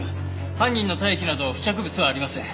犯人の体液など付着物はありません。